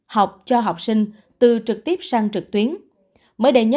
học cho học sinh từ trực tiếp sang trực tuyến